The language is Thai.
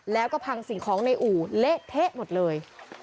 แล้วก็พังสิ่งของในอู่เละเทะหมดเลย